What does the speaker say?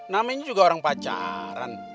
namanya juga orang pacaran